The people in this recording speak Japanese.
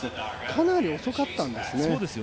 かなり遅かったんですね。